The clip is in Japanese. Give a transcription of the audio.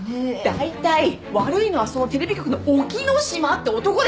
だいたい悪いのはそのテレビ局の沖野島って男でしょうが！